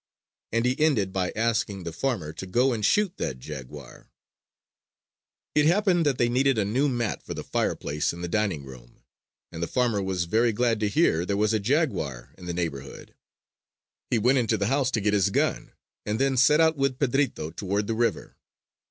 And he ended by asking the farmer to go and shoot that jaguar. It happened that they needed a new mat for the fireplace in the dining room, and the farmer was very glad to hear there was a jaguar in the neighborhood. He went into the house to get his gun, and then set out with Pedrito toward the river.